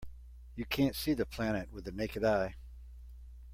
You can't see the planet with the naked eye.